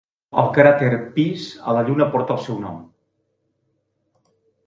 El cràter Pease a la lluna porta el seu nom.